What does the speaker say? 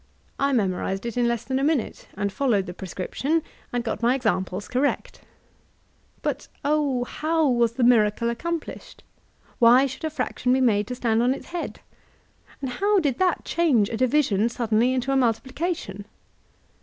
*' I memo rized it in less than a minute* and followed the prescrip tion, and got my examples, correct But Oh, how, how was the miracle accomplished? Why should a fraction be made to stand on its head? and how did that change a division suddenly into a multiplication?"